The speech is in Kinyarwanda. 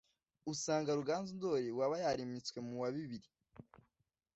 usanga ruganzu ndori waba yarimitswe mu wa bibiri